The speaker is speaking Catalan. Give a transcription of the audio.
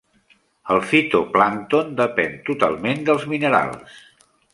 El fitoplàncton depèn totalment dels minerals.